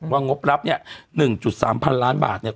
งบรับเนี่ย๑๓๐๐๐ล้านบาทเนี่ย